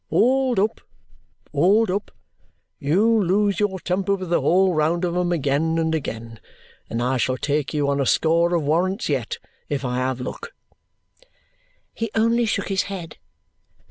Hold up, hold up! You'll lose your temper with the whole round of 'em, again and again; and I shall take you on a score of warrants yet, if I have luck." He only shook his head.